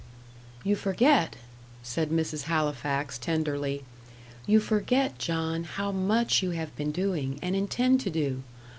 "You forget," said Mrs. Halifax, tenderly "you forget, John, how much you have been doing, and intend to do.